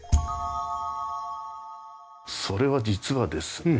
それは実はですね。